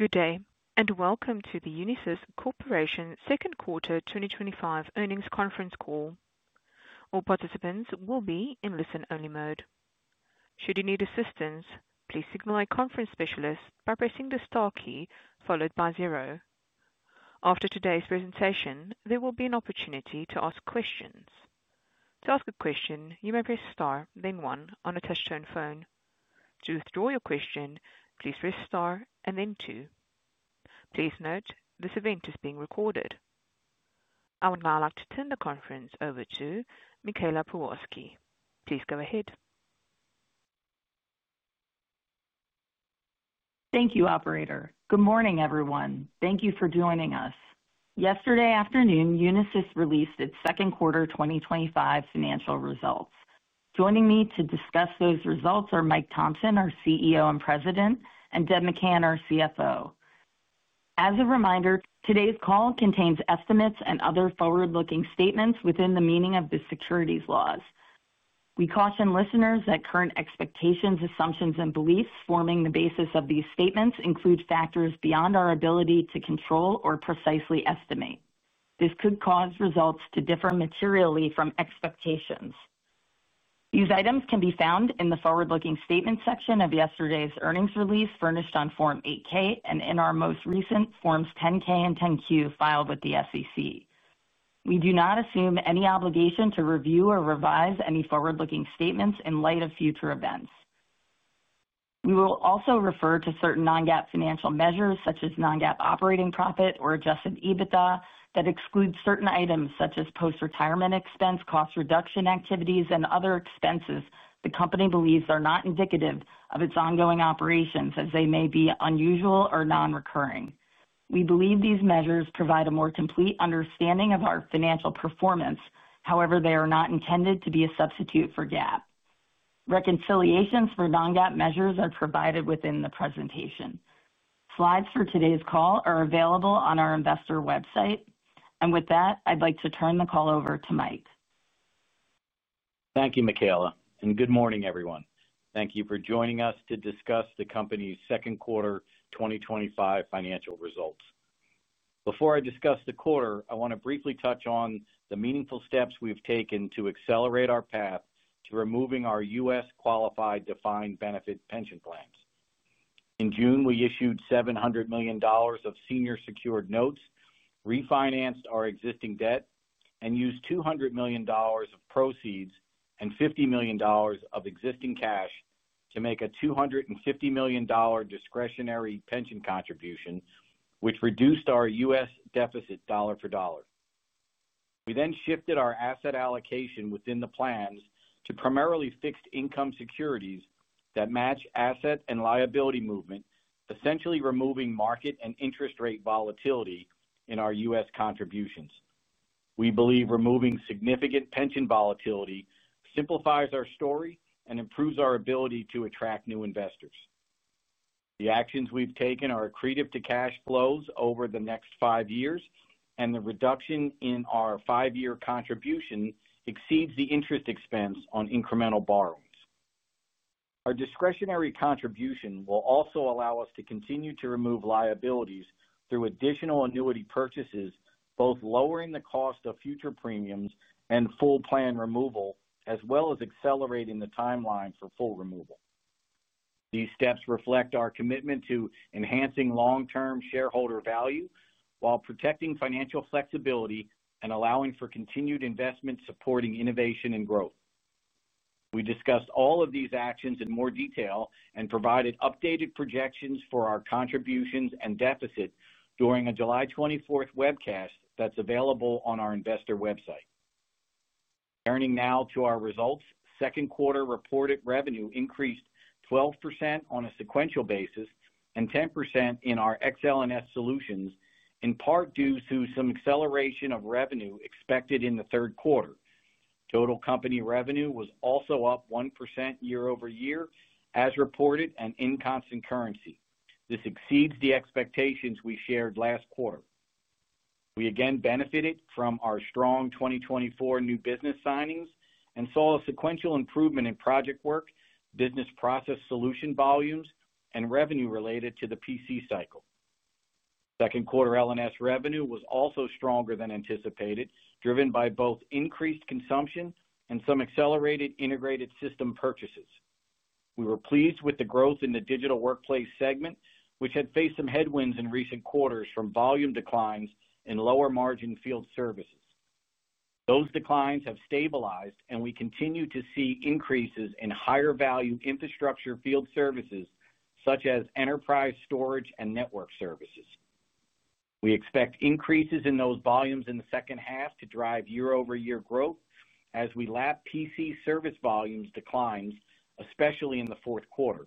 Good day and welcome to the Unisys Corporation Second Quarter 2025 earnings conference call. All participants will be in listen-only mode. Should you need assistance, please signal a conference specialist by pressing the star key followed by zero. After today's presentation, there will be an opportunity to ask questions. To ask a question, you may press star, then one on a touch-tone phone. To withdraw your question, please press star and then two. Please note this event is being recorded. I would now like to turn the conference over to Michaela Pewarski. Please go ahead. Thank you, operator. Good morning, everyone. Thank you for joining us. Yesterday afternoon, Unisys released its second quarter 2025 financial results. Joining me to discuss those results are Mike Thomson, our CEO and President, and Deb McCann, our CFO. As a reminder, today's call contains estimates and other forward-looking statements within the meaning of the securities laws. We caution listeners that current expectations, assumptions, and beliefs forming the basis of these statements include factors beyond our ability to control or precisely estimate. This could cause results to differ materially from expectations. These items can be found in the forward-looking statement section of yesterday's earnings release furnished on Form 8-K and in our most recent Forms 10-K and 10-Q filed with the SEC. We do not assume any obligation to review or revise any forward-looking statements in light of future events. We will also refer to certain non-GAAP financial measures, such as non-GAAP operating profit or adjusted EBITDA, that exclude certain items such as post-retirement expense, cost reduction activities, and other expenses the company believes are not indicative of its ongoing operations, as they may be unusual or non-recurring. We believe these measures provide a more complete understanding of our financial performance. However, they are not intended to be a substitute for GAAP. Reconciliations for non-GAAP measures are provided within the presentation. Slides for today's call are available on our investor website. With that, I'd like to turn the call over to Mike. Thank you, Michaela, and good morning, everyone. Thank you for joining us to discuss the company's second quarter 2025 financial results. Before I discuss the quarter, I want to briefly touch on the meaningful steps we've taken to accelerate our path to removing our U.S. qualified defined benefit pension plans. In June, we issued $700 million of senior secured notes, refinanced our existing debt, and used $200 million of proceeds and $50 million of existing cash to make a $250 million discretionary pension contribution, which reduced our U.S. deficit dollar for dollar. We then shifted our asset allocation within the plans to primarily fixed income securities that match asset and liability movement, essentially removing market and interest rate volatility in our U.S. contributions. We believe removing significant pension volatility simplifies our story and improves our ability to attract new investors. The actions we've taken are accretive to cash flows over the next five years, and the reduction in our five-year contribution exceeds the interest expense on incremental borrowings. Our discretionary contribution will also allow us to continue to remove liabilities through additional annuity purchases, both lowering the cost of future premiums and full plan removal, as well as accelerating the timeline for full removal. These steps reflect our commitment to enhancing long-term shareholder value while protecting financial flexibility and allowing for continued investment supporting innovation and growth. We discussed all of these actions in more detail and provided updated projections for our contributions and deficit during a July 24th webcast that's available on our investor website. Turning now to our results, second quarter reported revenue increased 12% on a sequential basis and 10% in our XL&S Solutions, in part due to some acceleration of revenue expected in the third quarter. Total company revenue was also up 1% year-over-year as reported and in constant currency. This exceeds the expectations we shared last quarter. We again benefited from our strong 2024 new business signings and saw a sequential improvement in project work, business process solution volumes, and revenue related to the PC cycle. Second quarter L&S revenue was also stronger than anticipated, driven by both increased consumption and some accelerated integrated system purchases. We were pleased with the growth in the Digital Workplace Solutions segment, which had faced some headwinds in recent quarters from volume declines in lower margin field services. Those declines have stabilized, and we continue to see increases in higher value infrastructure field services, such as enterprise storage and network services. We expect increases in those volumes in the second half to drive year-over-year growth as we lap PC service volumes declines, especially in the fourth quarter.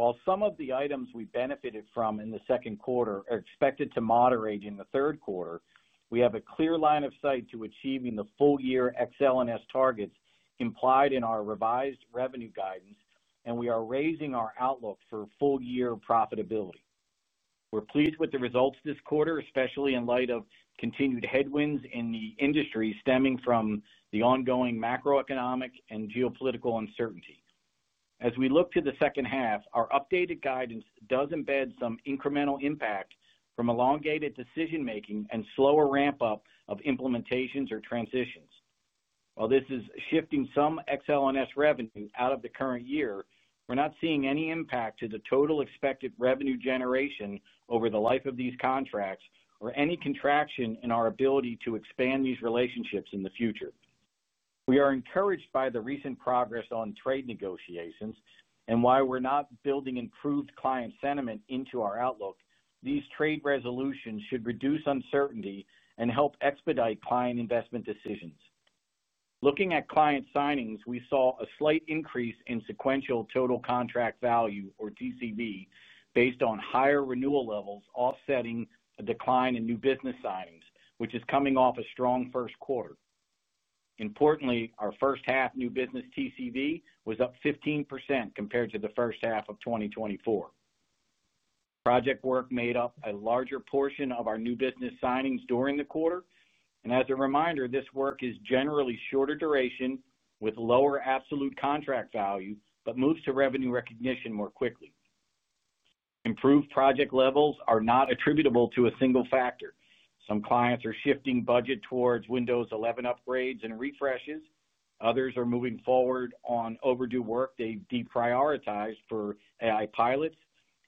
While some of the items we benefited from in the second quarter are expected to moderate in the third quarter, we have a clear line of sight to achieving the full-year XL&S targets implied in our revised revenue guidance, and we are raising our outlook for full-year profitability. We're pleased with the results this quarter, especially in light of continued headwinds in the industry stemming from the ongoing macroeconomic and geopolitical uncertainty. As we look to the second half, our updated guidance does embed some incremental impact from elongated decision-making and slower ramp-up of implementations or transitions. While this is shifting some XL&S revenue out of the current year, we're not seeing any impact to the total expected revenue generation over the life of these contracts or any contraction in our ability to expand these relationships in the future. We are encouraged by the recent progress on trade negotiations and while we're not building improved client sentiment into our outlook, these trade resolutions should reduce uncertainty and help expedite client investment decisions. Looking at client signings, we saw a slight increase in sequential total contract value, or TCV, based on higher renewal levels offsetting a decline in new business signings, which is coming off a strong first quarter. Importantly, our first half new business TCV was up 15% compared to the first half of 2024. Project work made up a larger portion of our new business signings during the quarter, and as a reminder, this work is generally shorter duration with lower absolute contract value, but moves to revenue recognition more quickly. Improved project levels are not attributable to a single factor. Some clients are shifting budget towards Windows 11 upgrades and refreshes. Others are moving forward on overdue work they've deprioritized for AI pilots,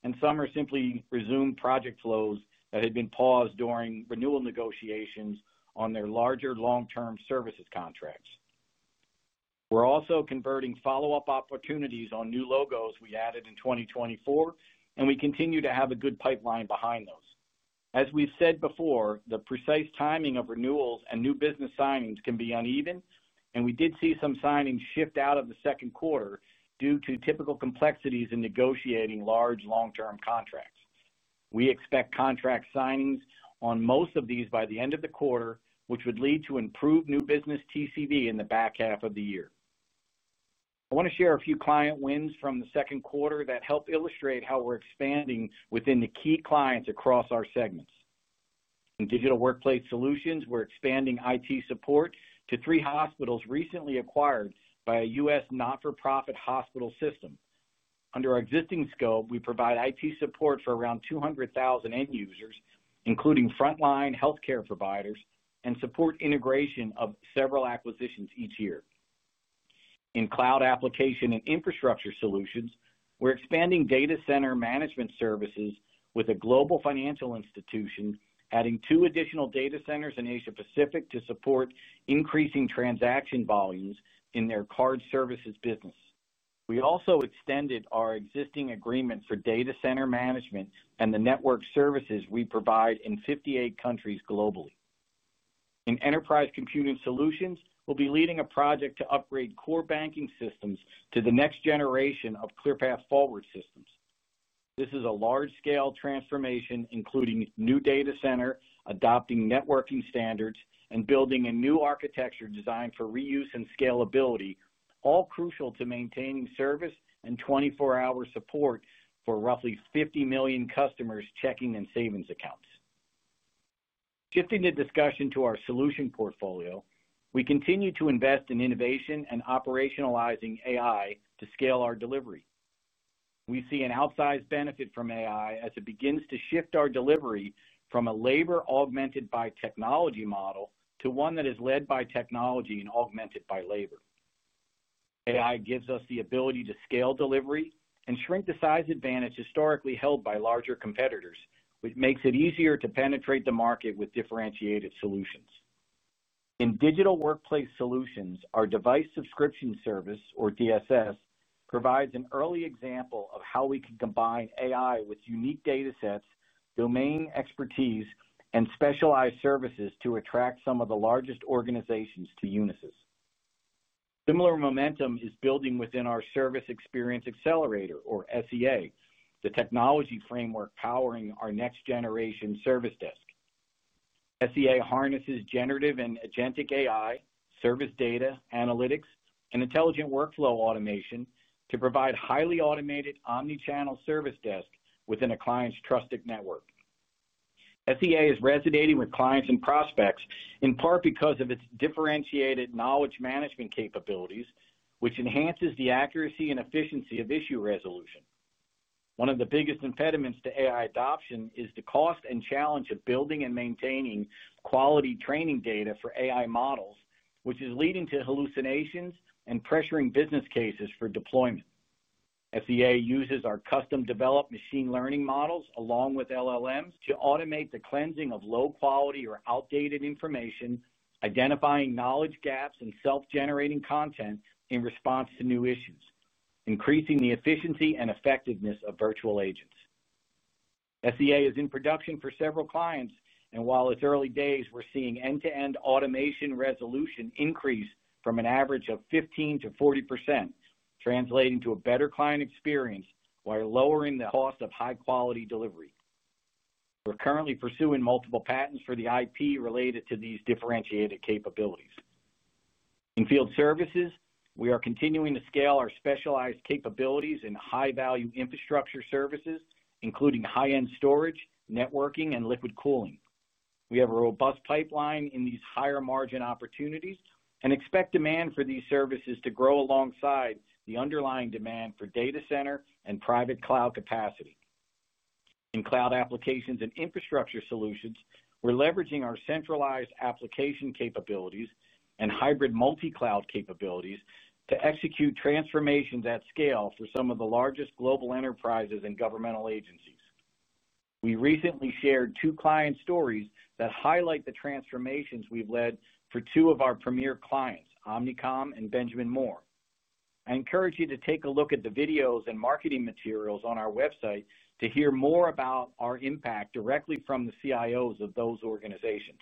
and some are simply resuming project flows that had been paused during renewal negotiations on their larger long-term services contracts. We're also converting follow-up opportunities on new logos we added in 2024, and we continue to have a good pipeline behind those. As we've said before, the precise timing of renewals and new business signings can be uneven, and we did see some signings shift out of the second quarter due to typical complexities in negotiating large long-term contracts. We expect contract signings on most of these by the end of the quarter, which would lead to improved new business TCV in the back half of the year. I want to share a few client wins from the second quarter that help illustrate how we're expanding within the key clients across our segments. In Digital Workplace Solutions, we're expanding IT support to three hospitals recently acquired by a U.S. not-for-profit hospital system. Under our existing scope, we provide IT support for around 200,000 end users, including frontline healthcare providers, and support integration of several acquisitions each year. In Cloud Application and Infrastructure Solutions, we're expanding data center management services with a global financial institution, adding two additional data centers in Asia-Pacific to support increasing transaction volumes in their card services business. We also extended our existing agreement for data center management and the network services we provide in 58 countries globally. In Enterprise Computing Solutions, we'll be leading a project to upgrade core banking systems to the next generation of ClearPath Forward systems. This is a large-scale transformation, including new data center, adopting networking standards, and building a new architecture designed for reuse and scalability, all crucial to maintaining service and 24-hour support for roughly 50 million customers' checking and savings accounts. Shifting the discussion to our solution portfolio, we continue to invest in innovation and operationalizing AI to scale our delivery. We see an outsized benefit from AI as it begins to shift our delivery from a labor-augmented-by-technology model to one that is led by technology and augmented by labor. AI gives us the ability to scale delivery and shrink the size advantage historically held by larger competitors, which makes it easier to penetrate the market with differentiated solutions. In Digital Workplace Solutions, our Device Subscription Services, or DSS, provides an early example of how we can combine AI with unique data sets, domain expertise, and specialized services to attract some of the largest organizations to Unisys. Similar momentum is building within our Service Experience Accelerator, or SEA, the technology framework powering our next-generation service desk. SEA harnesses generative and agentic AI, service data analytics, and intelligent workflow automation to provide a highly automated omnichannel service desk within a client's trusted network. SEA is resonating with clients and prospects in part because of its differentiated knowledge management capabilities, which enhances the accuracy and efficiency of issue resolution. One of the biggest impediments to AI adoption is the cost and challenge of building and maintaining quality training data for AI models, which is leading to hallucinations and pressuring business cases for deployment. SEA uses our custom-developed machine learning models, along with LLMs, to automate the cleansing of low-quality or outdated information, identifying knowledge gaps and self-generating content in response to new issues, increasing the efficiency and effectiveness of virtual agents. SEA is in production for several clients, and while it's early days, we're seeing end-to-end automation resolution increase from an average of 15% to 40%, translating to a better client experience while lowering the cost of high-quality delivery. We're currently pursuing multiple patents for the IP related to these differentiated capabilities. In field services, we are continuing to scale our specialized capabilities in high-value infrastructure services, including high-end storage, networking, and liquid cooling. We have a robust pipeline in these higher margin opportunities and expect demand for these services to grow alongside the underlying demand for data center and private cloud capacity. In Cloud Applications and Infrastructure Solutions, we're leveraging our centralized application capabilities and hybrid multi-cloud capabilities to execute transformations at scale for some of the largest global enterprises and governmental agencies. We recently shared two client stories that highlight the transformations we've led for two of our premier clients, Omnicom and Benjamin Moore. I encourage you to take a look at the videos and marketing materials on our website to hear more about our impact directly from the CIOs of those organizations.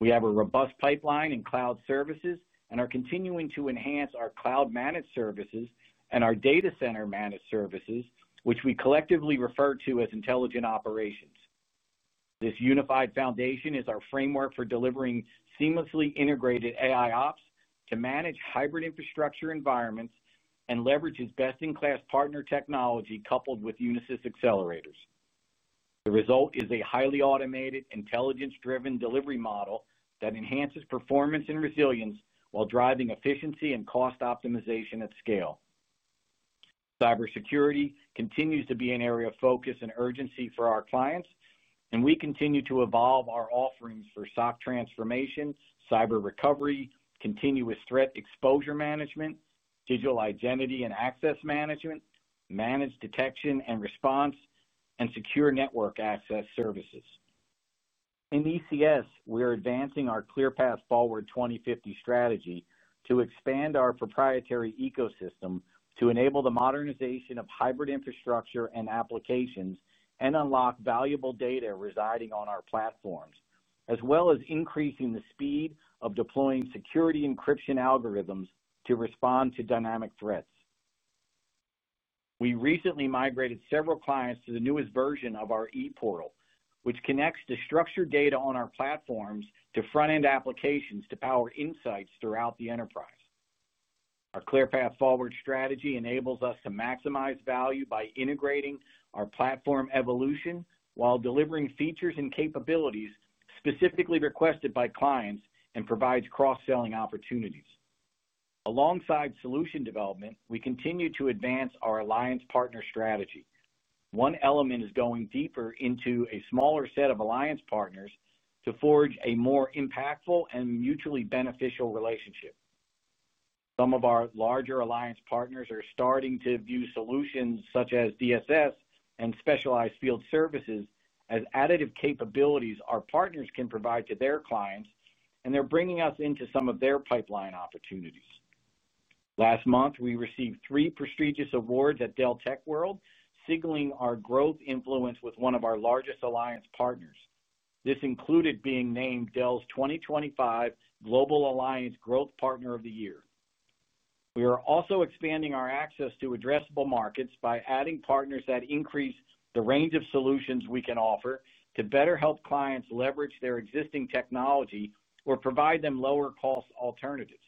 We have a robust pipeline in Cloud Services and are continuing to enhance our cloud-managed services and our data center-managed services, which we collectively refer to as intelligent operations. This unified foundation is our framework for delivering seamlessly integrated AI ops to manage hybrid infrastructure environments and leverages best-in-class partner technology coupled with Unisys accelerators. The result is a highly automated, intelligence-driven delivery model that enhances performance and resilience while driving efficiency and cost optimization at scale. Cybersecurity continues to be an area of focus and urgency for our clients, and we continue to evolve our offerings for SOC transformation, cyber recovery, continuous threat exposure management, digital identity and access management, managed detection and response, and secure network access services. In ECS, we are advancing our ClearPath Forward 2050 strategy to expand our proprietary ecosystem to enable the modernization of hybrid infrastructure and applications and unlock valuable data residing on our platforms, as well as increasing the speed of deploying security encryption algorithms to respond to dynamic threats. We recently migrated several clients to the newest version of our ePortal, which connects the structured data on our platforms to front-end applications to power insights throughout the enterprise. Our ClearPath Forward strategy enables us to maximize value by integrating our platform evolution while delivering features and capabilities specifically requested by clients and provides cross-selling opportunities. Alongside solution development, we continue to advance our alliance partner strategy. One element is going deeper into a smaller set of alliance partners to forge a more impactful and mutually beneficial relationship. Some of our larger alliance partners are starting to view solutions such as DSS and specialized field services as additive capabilities our partners can provide to their clients, and they're bringing us into some of their pipeline opportunities. Last month, we received three prestigious awards at Dell Tech World, signaling our growth influence with one of our largest alliance partners. This included being named Dell's 2025 Global Alliance Growth Partner of the Year. We are also expanding our access to addressable markets by adding partners that increase the range of solutions we can offer to better help clients leverage their existing technology or provide them lower-cost alternatives.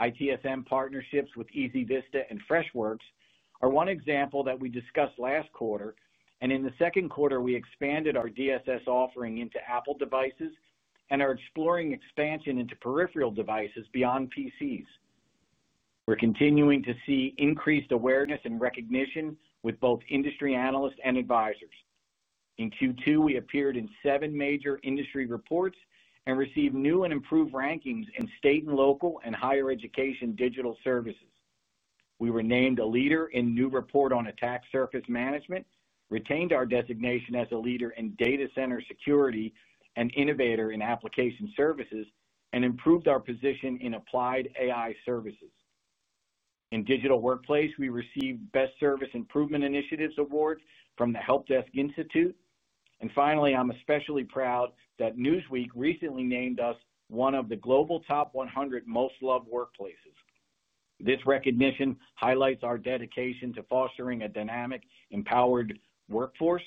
ITSM partnerships with EasyVista and Freshworks are one example that we discussed last quarter, and in the second quarter, we expanded our DSS offering into Apple devices and are exploring expansion into peripheral devices beyond PCs. We're continuing to see increased awareness and recognition with both industry analysts and advisors. In Q2, we appeared in seven major industry reports and received new and improved rankings in state and local and higher education digital services. We were named a leader in a new report on attack surface management, retained our designation as a leader in data center security and innovator in application services, and improved our position in applied AI services. In digital workplace, we received Best Service Improvement Initiatives awards from the Help Desk Institute, and finally, I'm especially proud that Newsweek recently named us one of the global top 100 most loved workplaces. This recognition highlights our dedication to fostering a dynamic, empowered workforce,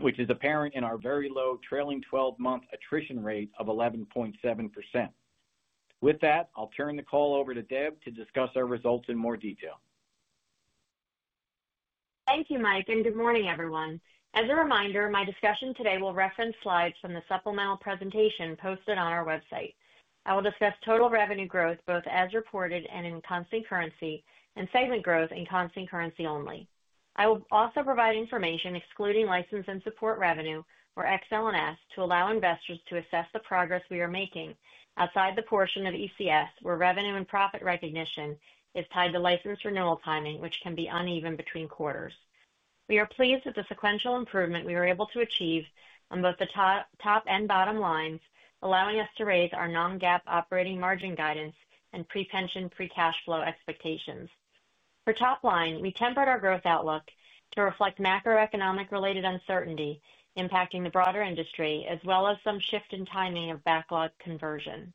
which is apparent in our very low trailing 12-month attrition rate of 11.7%. With that, I'll turn the call over to Deb to discuss our results in more detail. Thank you, Mike, and good morning, everyone. As a reminder, my discussion today will reference slides from the supplemental presentation posted on our website. I will discuss total revenue growth, both as reported and in constant currency, and segment growth in constant currency only. I will also provide information excluding license and support revenue, or XL&S, to allow investors to assess the progress we are making outside the portion of ECS where revenue and profit recognition is tied to license renewal timing, which can be uneven between quarters. We are pleased with the sequential improvement we were able to achieve on both the top and bottom lines, allowing us to raise our non-GAAP operating margin guidance and pre-pension, pre-cash flow expectations. For top line, we tempered our growth outlook to reflect macroeconomic related uncertainty impacting the broader industry, as well as some shift in timing of backlog conversion.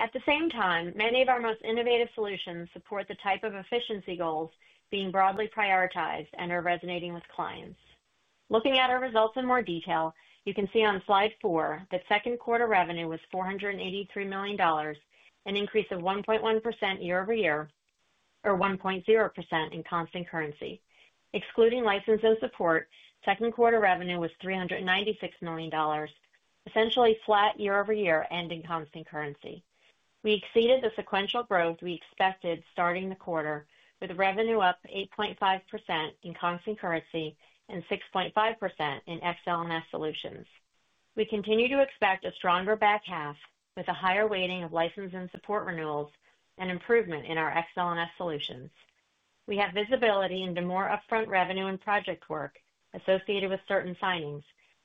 At the same time, many of our most innovative solutions support the type of efficiency goals being broadly prioritized and are resonating with clients. Looking at our results in more detail, you can see on slide four that second quarter revenue was $483 million, an increase of 1.1% year-over-year, or 1.0% in constant currency. Excluding license and support, second quarter revenue was $396 million, essentially flat year-over-year and in constant currency. We exceeded the sequential growth we expected starting the quarter, with revenue up 8.5% in constant currency and 6.5% in XL&S solutions. We continue to expect a stronger back half with a higher weighting of license and support renewals and improvement in our XL&S solutions. We have visibility into more upfront revenue and project work associated with certain signings,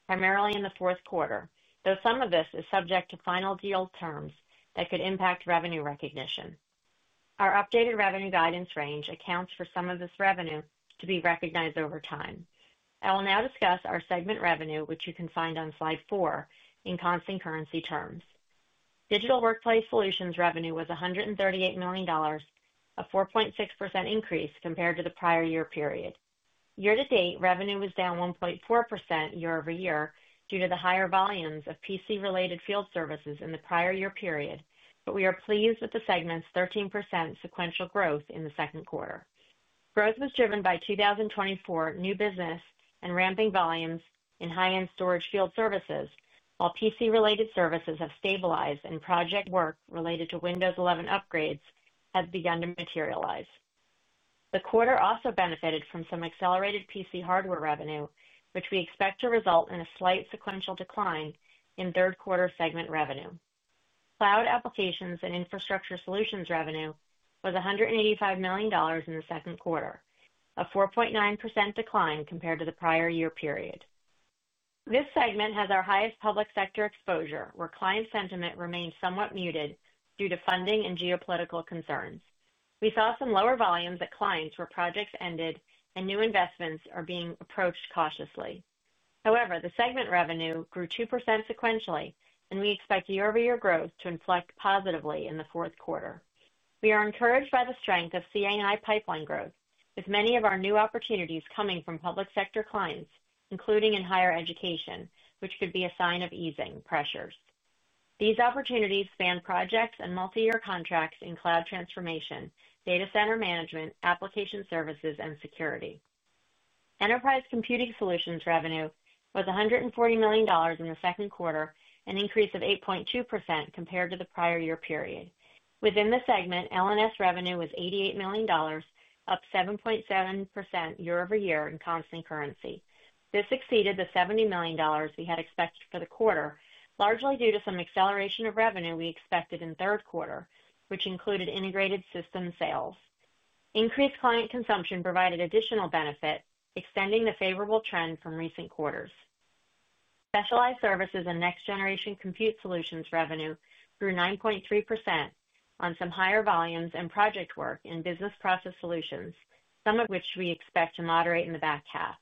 primarily in the fourth quarter, though some of this is subject to final yield terms that could impact revenue recognition. Our updated revenue guidance range accounts for some of this revenue to be recognized over time. I will now discuss our segment revenue, which you can find on slide four in constant currency terms. Digital Workplace Solutions revenue was $138 million, a 4.6% increase compared to the prior year period. Year-to-date, revenue was down 1.4% year-over-year due to the higher volumes of PC-related field services in the prior year period, but we are pleased with the segment's 13% sequential growth in the second quarter. Growth was driven by 2024 new business and ramping volumes in high-end storage field services, while PC-related services have stabilized and project work related to Windows 11 upgrades have begun to materialize. The quarter also benefited from some accelerated PC hardware revenue, which we expect to result in a slight sequential decline in third quarter segment revenue. Cloud applications and infrastructure solutions revenue was $185 million in the second quarter, a 4.9% decline compared to the prior year period. This segment has our highest public sector exposure, where client sentiment remains somewhat muted due to funding and geopolitical concerns. We saw some lower volumes at clients where projects ended and new investments are being approached cautiously. However, the segment revenue grew 2% sequentially, and we expect year-over-year growth to inflect positively in the fourth quarter. We are encouraged by the strength of CAI pipeline growth, with many of our new opportunities coming from public sector clients, including in higher education, which could be a sign of easing pressures. These opportunities span projects and multi-year contracts in cloud transformation, data center management, application services, and security. Enterprise computing solutions revenue was $140 million in the second quarter, an increase of 8.2% compared to the prior year period. Within the segment, L&S revenue was $88 million, up 7.7% year-over-year in constant currency. This exceeded the $70 million we had expected for the quarter, largely due to some acceleration of revenue we expected in third quarter, which included integrated system sales. Increased client consumption provided additional benefit, extending the favorable trend from recent quarters. Specialized services and next-generation compute solutions revenue grew 9.3% on some higher volumes and project work in business process solutions, some of which we expect to moderate in the back half.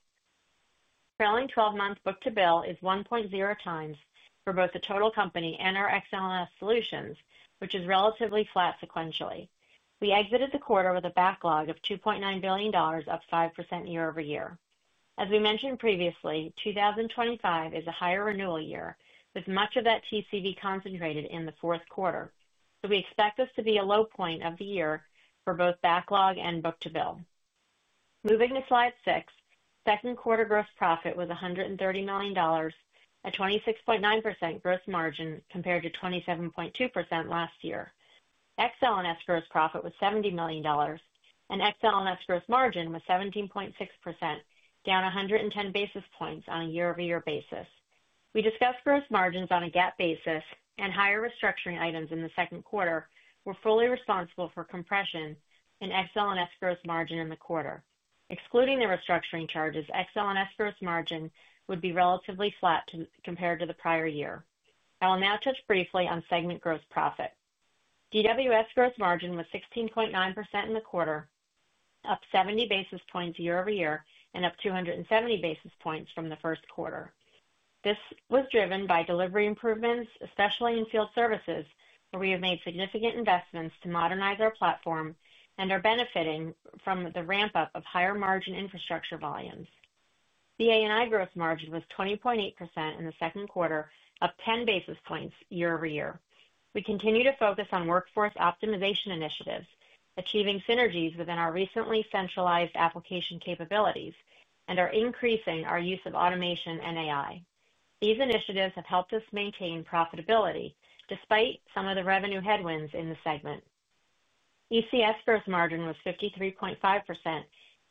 Trailing 12-month book-to-bill is 1.0x for both the total company and our XL&S solutions, which is relatively flat sequentially. We exited the quarter with a backlog of $2.9 billion, up 5% year-over-year. As we mentioned previously, 2025 is a higher renewal year, with much of that TCV concentrated in the fourth quarter. We expect this to be a low point of the year for both backlog and book-to-bill. Moving to slide six, second quarter gross profit was $130 million, a 26.9% gross margin compared to 27.2% last year. XL&S gross profit was $70 million, and XL&S gross margin was 17.6%, down 110 basis points on a year-over-year basis. We discussed gross margins on a GAAP basis, and higher restructuring items in the second quarter were fully responsible for compression in XL&S gross margin in the quarter. Excluding the restructuring charges, XL&S gross margin would be relatively flat compared to the prior year. I will now touch briefly on segment gross profit. DWS gross margin was 16.9% in the quarter, up 70 basis points year-over-year, and up 270 basis points from the first quarter. This was driven by delivery improvements, especially in field services, where we have made significant investments to modernize our platform and are benefiting from the ramp-up of higher margin infrastructure volumes. CA&I gross margin was 20.8% in the second quarter, up 10 basis points year-over-year. We continue to focus on workforce optimization initiatives, achieving synergies within our recently centralized application capabilities, and are increasing our use of automation and AI. These initiatives have helped us maintain profitability despite some of the revenue headwinds in the segment. ECS gross margin was 53.5%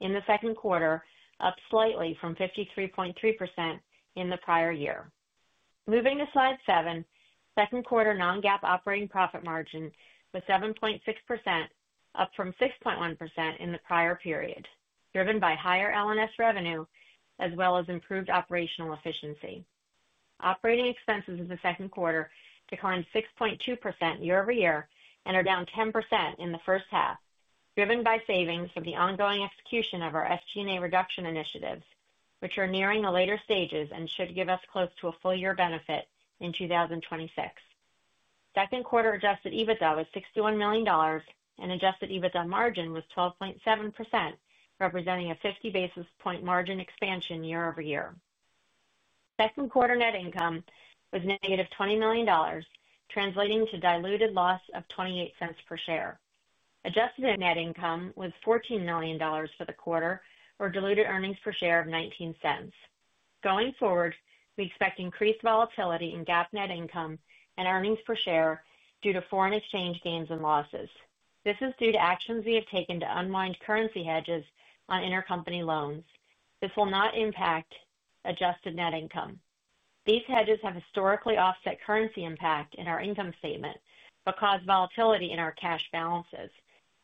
in the second quarter, up slightly from 53.3% in the prior year. Moving to slide seven, second quarter non-GAAP operating profit margin was 7.6%, up from 6.1% in the prior period, driven by higher L&S revenue, as well as improved operational efficiency. Operating expenses of the second quarter declined 6.2% year-over-year and are down 10% in the first half, driven by savings of the ongoing execution of our SG&A reduction initiatives, which are nearing the later stages and should give us close to a full-year benefit in 2026. Second quarter adjusted EBITDA was $61 million, and adjusted EBITDA margin was 12.7%, representing a 50 basis point margin expansion year-over-year. Second quarter net income was negative $20 million, translating to diluted loss of $0.28 per share. Adjusted net income was $14 million for the quarter, or diluted earnings per share of $0.19. Going forward, we expect increased volatility in GAAP net income and earnings per share due to foreign exchange gains and losses. This is due to actions we have taken to unwind currency hedges on intercompany loans. This will not impact adjusted net income. These hedges have historically offset currency impact in our income statement but cause volatility in our cash balances.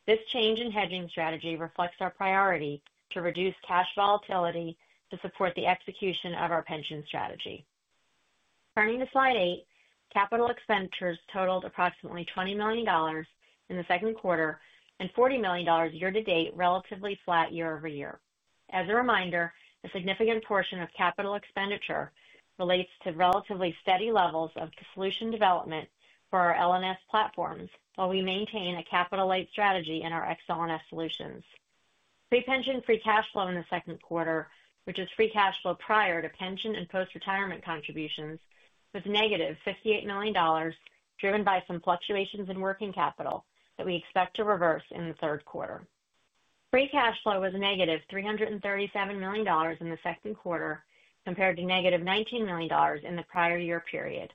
This change in hedging strategy reflects our priority to reduce cash volatility to support the execution of our pension strategy. Turning to slide eight, capital expenditures totaled approximately $20 million in the second quarter and $40 million year-to-date, relatively flat year-over-year. As a reminder, a significant portion of capital expenditure relates to relatively steady levels of solution development for our L&S platforms, while we maintain a capital-light strategy in our XL&S solutions. Pre-pension, pre-cash flow in the second quarter, which was pre-cash flow prior to pension and post-retirement contributions, was negative $58 million, driven by some fluctuations in working capital that we expect to reverse in the third quarter. Pre-cash flow was negative $337 million in the second quarter compared to negative $19 million in the prior year period.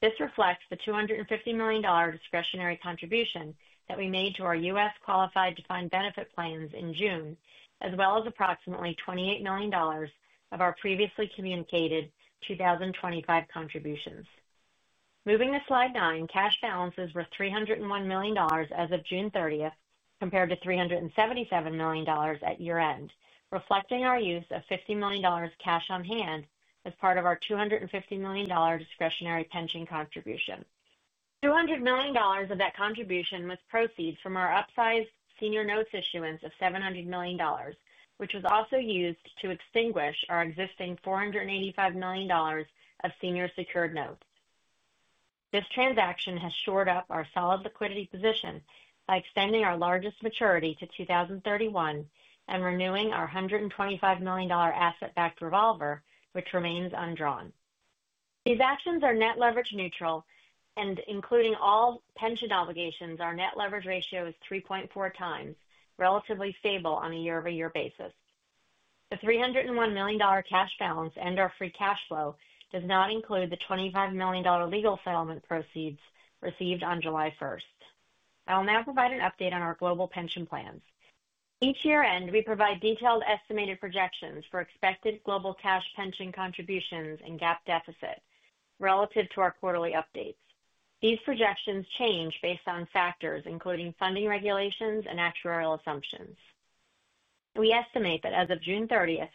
This reflects the $250 million discretionary contribution that we made to our U.S. qualified defined benefit plans in June, as well as approximately $28 million of our previously communicated 2025 contributions. Moving to slide nine, cash balances were $301 million as of June 30th compared to $377 million at year-end, reflecting our use of $50 million cash on hand as part of our $250 million discretionary pension contribution. $200 million of that contribution was proceeds from our upsized senior notes issuance of $700 million, which was also used to extinguish our existing $485 million of senior secured notes. This transaction has shored up our solid liquidity position by extending our largest maturity to 2031 and renewing our $125 million asset-backed revolver, which remains undrawn. These actions are net leverage neutral, and including all pension obligations, our net leverage ratio is 3.4x, relatively stable on a year-over-year basis. The $301 million cash balance and our free cash flow do not include the $25 million legal settlement proceeds received on July 1st. I will now provide an update on our global pension plans. Each year-end, we provide detailed estimated projections for expected global cash pension contributions and GAAP deficit relative to our quarterly updates. These projections change based on factors, including funding regulations and actuarial assumptions. We estimate that as of June 30th,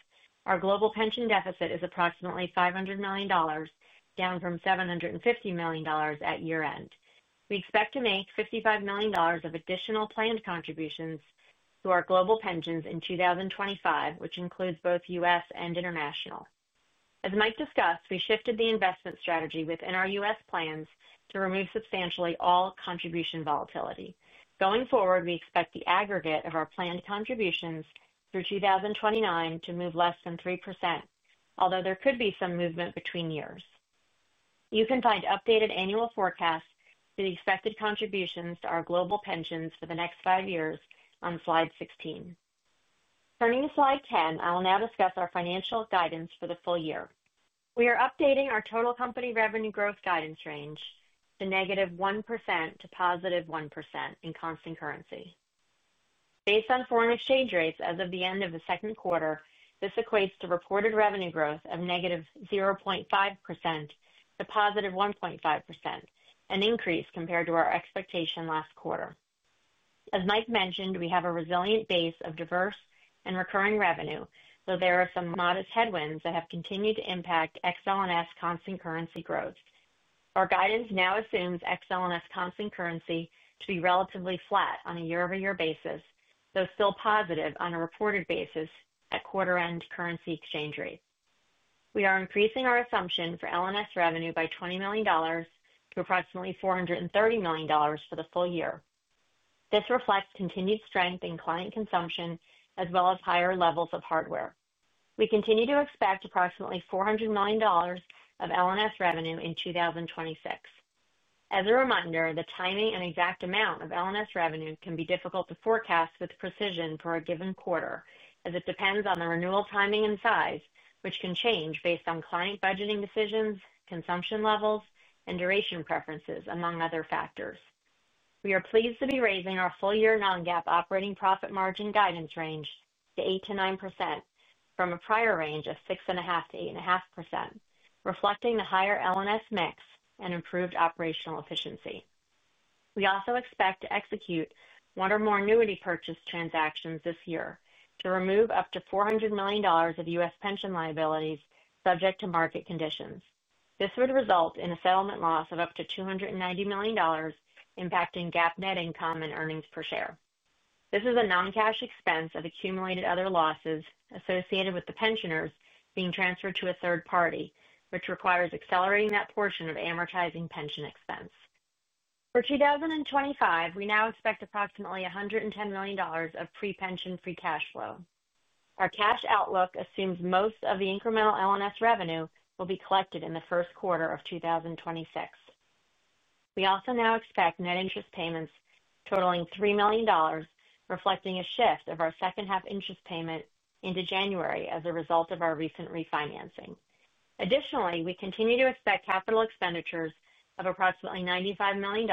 our global pension deficit is approximately $500 million, down from $750 million at year-end. We expect to make $55 million of additional planned contributions to our global pensions in 2025, which includes both U.S. and international. As Mike discussed, we shifted the investment strategy within our U.S. plans to remove substantially all contribution volatility. Going forward, we expect the aggregate of our planned contributions through 2029 to move less than 3%, although there could be some movement between years. You can find updated annual forecasts for the expected contributions to our global pensions for the next five years on slide 16. Turning to slide 10, I will now discuss our financial guidance for the full year. We are updating our total company revenue growth guidance range to -1% to +1% in constant currency. Based on foreign exchange rates as of the end of the second quarter, this equates to reported revenue growth of -0.5% to +1.5%, an increase compared to our expectation last quarter. As Mike mentioned, we have a resilient base of diverse and recurring revenue, though there are some modest headwinds that have continued to impact XL&S constant currency growth. Our guidance now assumes XL&S constant currency to be relatively flat on a year-over-year basis, though still positive on a reported basis at quarter-end currency exchange rates. We are increasing our assumption for L&S revenue by $20 million to approximately $430 million for the full year. This reflects continued strength in client consumption, as well as higher levels of hardware. We continue to expect approximately $400 million of L&S revenue in 2026. As a reminder, the timing and exact amount of L&S revenue can be difficult to forecast with precision for a given quarter, as it depends on the renewal timing and size, which can change based on client budgeting decisions, consumption levels, and duration preferences, among other factors. We are pleased to be raising our full-year non-GAAP operating profit margin guidance range to 8%-9% from a prior range of 6.5%-8.5%, reflecting the higher L&S mix and improved operational efficiency. We also expect to execute one or more annuity purchase transactions this year to remove up to $400 million of U.S. pension liabilities subject to market conditions. This would result in a settlement loss of up to $290 million, impacting GAAP net income and earnings per share. This is a non-cash expense of accumulated other losses associated with the pensioners being transferred to a third party, which requires accelerating that portion of amortizing pension expense. For 2025, we now expect approximately $110 million of pre-pension free cash flow. Our cash outlook assumes most of the incremental L&S revenue will be collected in the first quarter of 2026. We also now expect net interest payments totaling $3 million, reflecting a shift of our second half interest payment into January as a result of our recent refinancing. Additionally, we continue to expect capital expenditures of approximately $95 million,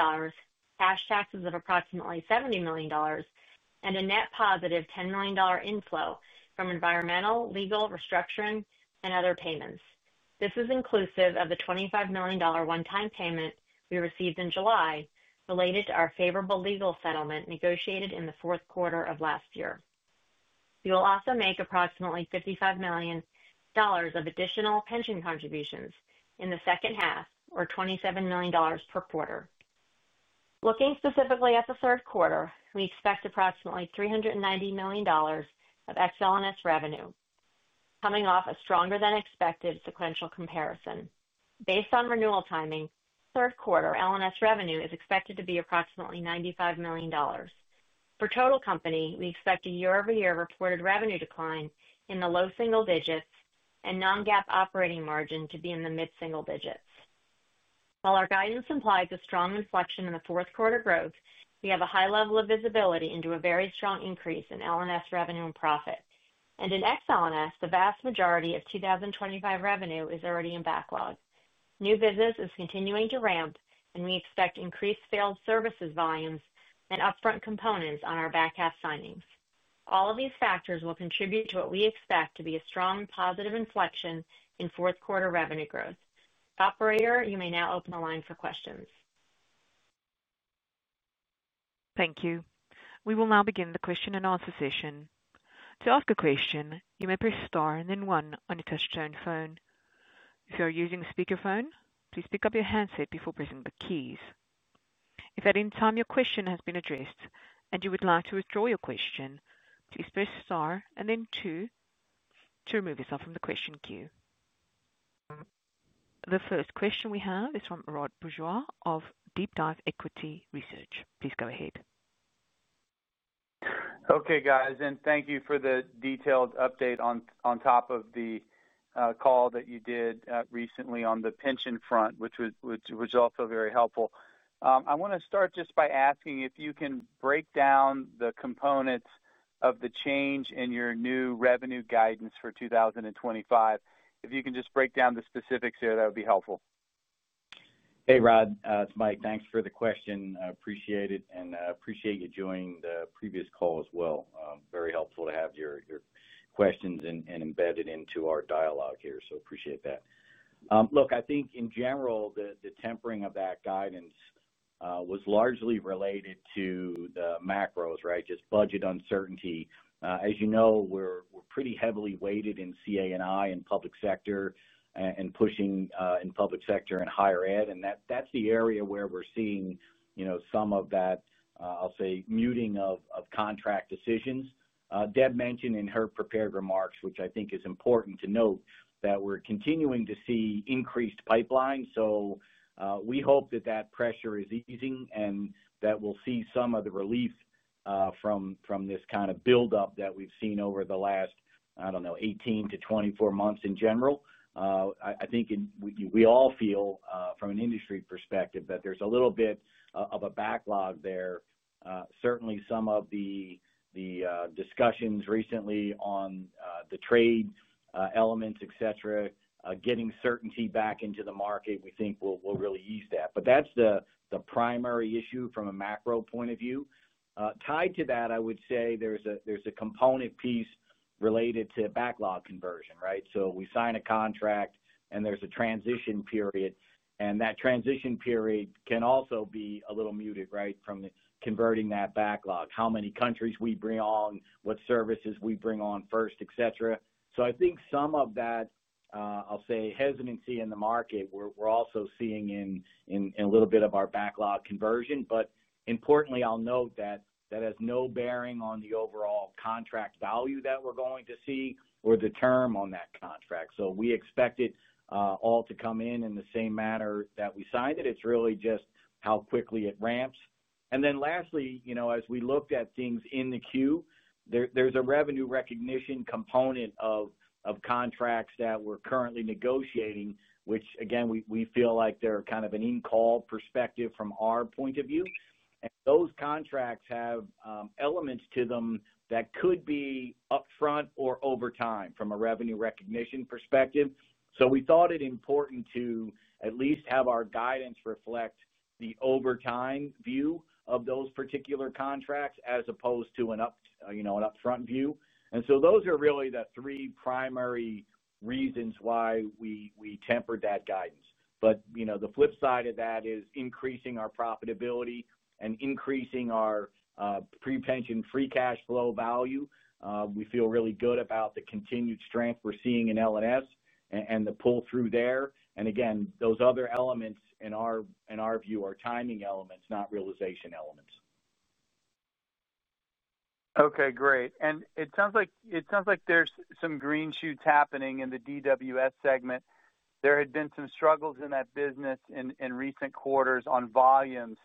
cash taxes of approximately $70 million, and a net positive $10 million inflow from environmental, legal, restructuring, and other payments. This is inclusive of the $25 million one-time payment we received in July related to our favorable legal settlement negotiated in the fourth quarter of last year. We will also make approximately $55 million of additional pension contributions in the second half, or $27 million per quarter. Looking specifically at the third quarter, we expect approximately $390 million of XL&S revenue coming off a stronger than expected sequential comparison. Based on renewal timing, third quarter L&S revenue is expected to be approximately $95 million. For total company, we expect a year-over-year reported revenue decline in the low single digits and non-GAAP operating margin to be in the mid-single digits. While our guidance implies a strong inflection in the fourth quarter growth, we have a high level of visibility into a very strong increase in L&S revenue and profit. In XL&S, the vast majority of 2025 revenue is already in backlog. New business is continuing to ramp, and we expect increased field services volumes and upfront components on our back half signings. All of these factors will contribute to what we expect to be a strong positive inflection in fourth quarter revenue growth. Operator, you may now open the line for questions. Thank you. We will now begin the question-and-answer session. To ask a question, you may press star and then one on your touch-tone phone. If you are using a speaker phone, please pick up your handset before pressing the keys. If at any time your question has been addressed and you would like to withdraw your question, please press star and then two to remove yourself from the question queue. The first question we have is from Rod Bourgeois of DeepDive Equity Research. Please go ahead. Okay, guys, thank you for the detailed update on top of the call that you did recently on the pension front, which was also very helpful. I want to start just by asking if you can break down the components of the change in your new revenue guidance for 2025. If you can just break down the specifics here, that would be helpful. Hey, Rod. It's Mike. Thanks for the question. I appreciate it and appreciate you joining the previous call as well. Very helpful to have your questions embedded into our dialogue here, so I appreciate that. Look, I think in general, the tempering of that guidance was largely related to the macros, right? Just budget uncertainty. As you know, we're pretty heavily weighted in CA&I and public sector and pushing in public sector and higher ed, and that's the area where we're seeing, you know, some of that, I'll say, muting of contract decisions. Deb mentioned in her prepared remarks, which I think is important to note, that we're continuing to see increased pipelines, so we hope that that pressure is easing and that we'll see some of the reliefs from this kind of buildup that we've seen over the last, I don't know, 18-24 months in general. I think we all feel, from an industry perspective, that there's a little bit of a backlog there. Certainly, some of the discussions recently on the trade elements, etc., getting certainty back into the market, we think will really ease that. That is the primary issue from a macro point of view. Tied to that, I would say there's a component piece related to backlog conversion, right? We sign a contract and there's a transition period, and that transition period can also be a little muted, right? From converting that backlog, how many countries we bring on, what services we bring on first, etc. I think some of that, I'll say, hesitancy in the market we're also seeing in a little bit of our backlog conversion. Importantly, I'll note that that has no bearing on the overall contract value that we're going to see or the term on that contract. We expect it all to come in in the same manner that we signed it. It's really just how quickly it ramps. Lastly, you know, as we looked at things in the queue, there's a revenue recognition component of contracts that we're currently negotiating, which again, we feel like they're kind of an in-call perspective from our point of view. Those contracts have elements to them that could be upfront or over time from a revenue recognition perspective. We thought it important to at least have our guidance reflect the overtime view of those particular contracts as opposed to an upfront view. Those are really the three primary reasons why we tempered that guidance. You know, the flip side of that is increasing our profitability and increasing our pre-pension free cash flow value. We feel really good about the continued strength we're seeing in L&S and the pull-through there. Again, those other elements in our view are timing elements, not realization elements. Okay, great. It sounds like there's some green shoots happening in the DWS segment. There had been some struggles in that business in recent quarters on volumes,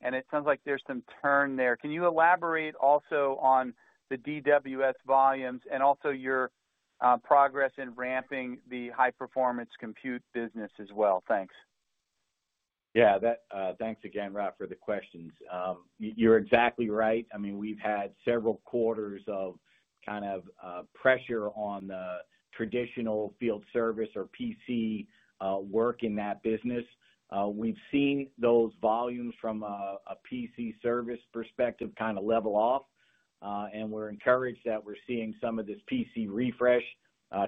and it sounds like there's some turn there. Can you elaborate also on the DWS volumes and also your progress in ramping the high-performance compute business as well? Thanks. Yeah, thanks again, Rod, for the questions. You're exactly right. We've had several quarters of kind of pressure on the traditional field service or PC work in that business. We've seen those volumes from a PC service perspective kind of level off, and we're encouraged that we're seeing some of this PC refresh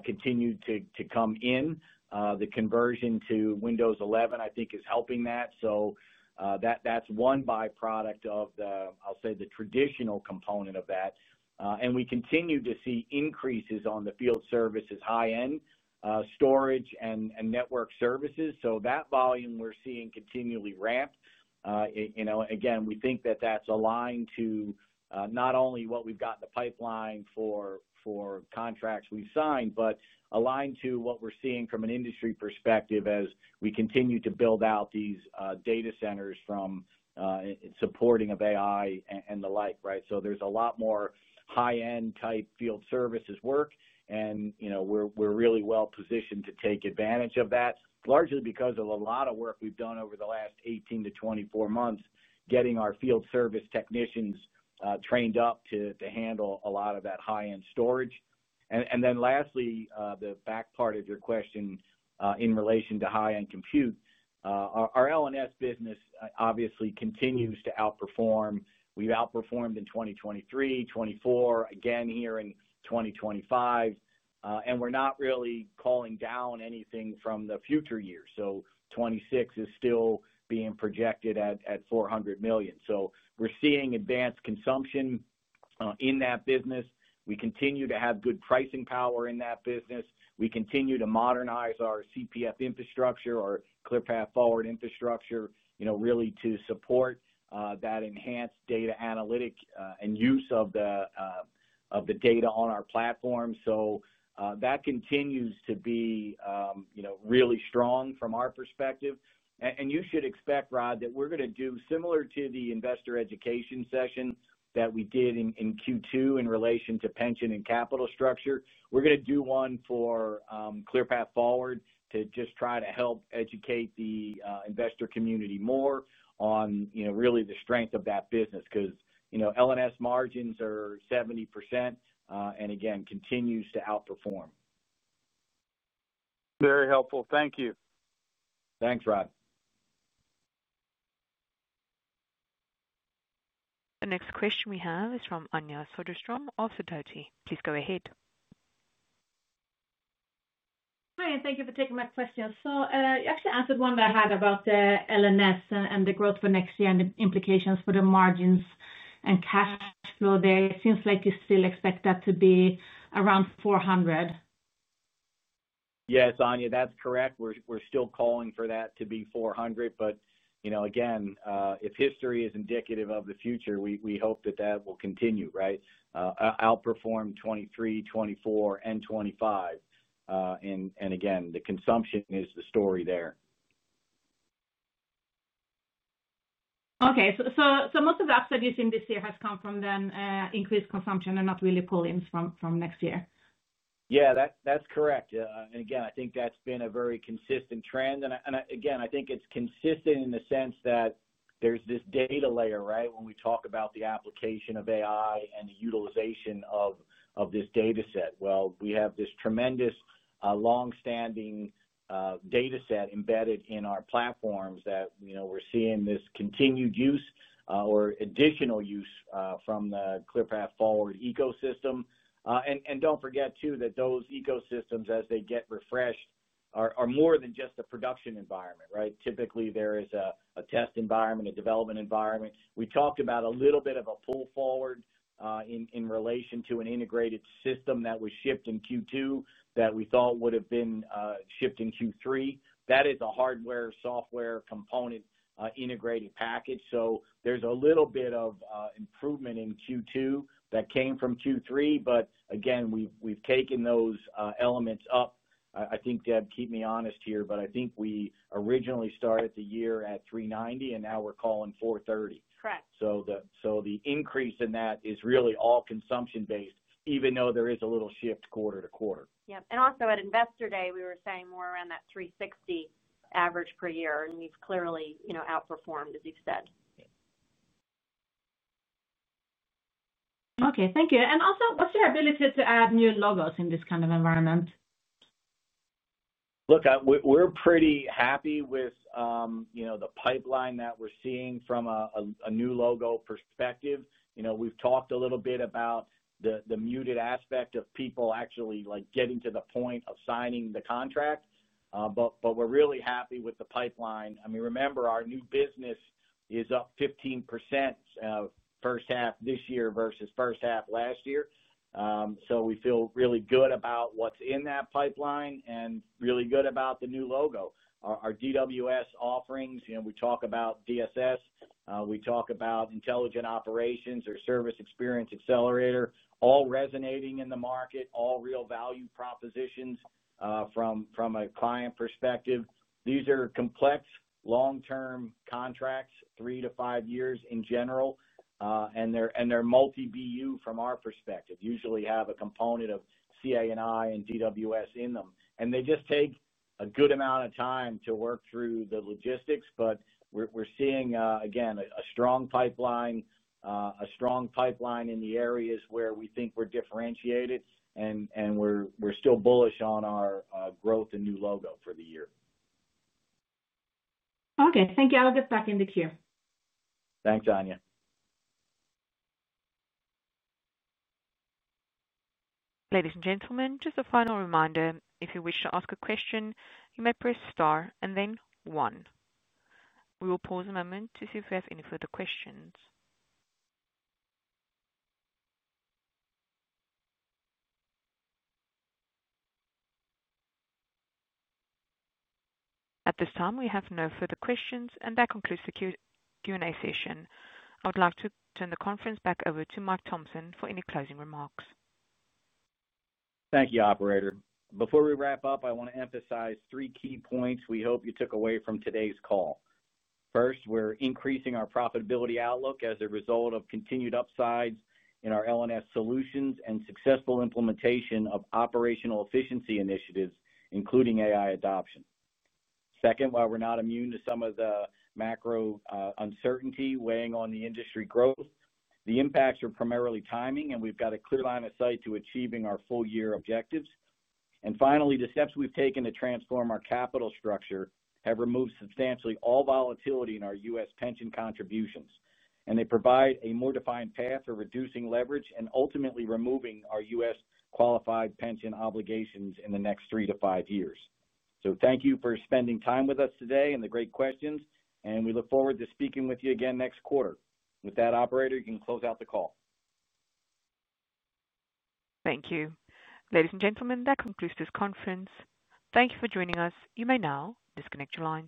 continue to come in. The conversion to Windows 11, I think, is helping that. That's one byproduct of the, I'll say, the traditional component of that. We continue to see increases on the field services, high-end storage and network services. That volume we're seeing continually ramp. We think that that's aligned to not only what we've got in the pipeline for contracts we've signed, but aligned to what we're seeing from an industry perspective as we continue to build out these data centers from supporting of AI and the like, right? There's a lot more high-end type field services work, and you know we're really well positioned to take advantage of that, largely because of a lot of work we've done over the last 18-24 months getting our field service technicians trained up to handle a lot of that high-end storage. Lastly, the back part of your question in relation to high-end compute, our L&S business obviously continues to outperform. We've outperformed in 2023, 2024, again, here in 2025, and we're not really calling down anything from the future year. 2026 is still being projected at $400 million. We're seeing advanced consumption in that business. We continue to have good pricing power in that business. We continue to modernize our CPF infrastructure or ClearPath Forward infrastructure, you know, really to support that enhanced data analytic and use of the data on our platform. That continues to be, you know, really strong from our perspective. You should expect, Rod, that we're going to do similar to the investor education session that we did in Q2 in relation to pension and capital structure. We're going to do one for ClearPath Forward to just try to help educate the investor community more on, you know, really the strength of that business because, you know, L&S margins are 70% and again continues to outperform. Very helpful. Thank you. Thanks, Rod. The next question we have is from Anja Soderstrom of Sidoti. Please go ahead. Hi, and thank you for taking my question. You actually answered one that I had about the L&S and the growth for next year and the implications for the margins and cash flow there. It seems like you still expect that to be around $400 million. Yes, Anja, that's correct. We're still calling for that to be $400 million. If history is indicative of the future, we hope that will continue, right? Outperform 2023, 2024, and 2025. The consumption is the story there. Okay, so most of the upside you've seen this year has come from increased consumption and not really pullings from next year. Yeah, that's correct. I think that's been a very consistent trend. I think it's consistent in the sense that there's this data layer, right? When we talk about the application of AI and the utilization of this data set, we have this tremendous longstanding data set embedded in our platforms that, you know, we're seeing this continued use or additional use from the ClearPath Forward ecosystem. Don't forget too that those ecosystems, as they get refreshed, are more than just a production environment, right? Typically, there is a test environment, a development environment. We talked about a little bit of a pull forward in relation to an integrated system that was shipped in Q2 that we thought would have been shipped in Q3. That is a hardware-software component integrated package. There's a little bit of improvement in Q2 that came from Q3. We've taken those elements up. I think, Deb, keep me honest here, but I think we originally started the year at $390 million, and now we're calling $430 million. Correct. The increase in that is really all consumption-based, even though there is a little shift quarter to quarter. At investor day, we were saying more around that $360 average per year, and we've clearly, you know, outperformed, as you've said. Thank you. Also, what's your ability to add new logos in this kind of environment? Look, we're pretty happy with the pipeline that we're seeing from a new logo perspective. We've talked a little bit about the muted aspect of people actually getting to the point of signing the contract, but we're really happy with the pipeline. I mean, remember, our new business is up 15% first half this year versus first half last year. We feel really good about what's in that pipeline and really good about the new logo. Our DWS offerings, we talk about DSS, we talk about intelligent operations or Service Experience Accelerator, all resonating in the market, all real value propositions from a client perspective. These are complex long-term contracts, three to five years in general, and they're multi-BU from our perspective. Usually, they have a component of [CIEI] and DWS in them. They just take a good amount of time to work through the logistics. We're seeing, again, a strong pipeline, a strong pipeline in the areas where we think we're differentiated, and we're still bullish on our growth and new logo for the year. Okay, thank you. I'll get back in the queue. Thanks, Anja. Ladies and gentlemen, just a final reminder, if you wish to ask a question, you may press star and then one. We will pause a moment to see if we have any further questions. At this time, we have no further questions, and that concludes the Q&A session. I would like to turn the conference back over to Mike Thomson for any closing remarks. Thank you, operator. Before we wrap up, I want to emphasize three key points we hope you took away from today's call. First, we're increasing our profitability outlook as a result of continued upsides in our L&S solutions and successful implementation of operational efficiency initiatives, including AI adoption. Second, while we're not immune to some of the macro uncertainty weighing on the industry growth, the impacts are primarily timing, and we've got a clear line of sight to achieving our full-year objectives. Finally, the steps we've taken to transform our capital structure have removed substantially all volatility in our U.S. pension contributions, and they provide a more defined path for reducing leverage and ultimately removing our U.S. qualified pension obligations in the next three to five years. Thank you for spending time with us today and the great questions, and we look forward to speaking with you again next quarter. With that, operator, you can close out the call. Thank you. Ladies and gentlemen, that concludes this conference. Thank you for joining us. You may now disconnect your line.